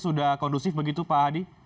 sudah kondusif begitu pak hadi